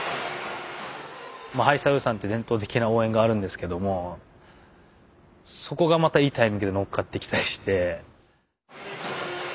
「ハイサイおじさん」って伝統的な応援があるんですけどもそこがまたいいタイミングで乗っかってきたりして。